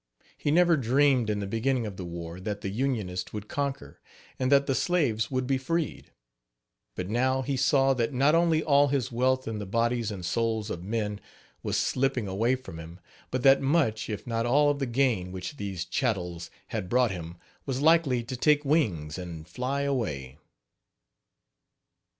He never dreamed in the beginning of the war that the Unionists would conquer, and that the slaves would be freed; but now he saw that not only all his wealth in the bodies and souls of men was slipping away from him, but that much, if not all of the gain which these chattels had brought him was likely to "take wings and fly away.